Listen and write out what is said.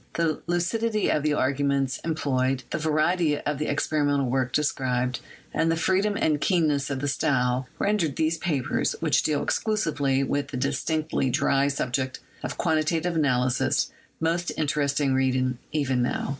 The lucidity of the arguments em ployed, the variety of the experimental work described, and the freedom and keenness of the style, render these papers, which deal exclusively with the distinctly dry subject of quantitative analysis, most interesting reading even now.